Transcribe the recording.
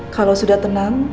kalau sudah tenang